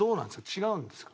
違うんですか？